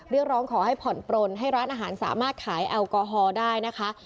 เรียกร้องขอให้ผ่อนปลนให้ร้านอาหารสามารถขายแอลกอฮอล์ได้นะคะ